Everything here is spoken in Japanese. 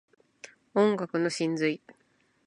音楽の真髄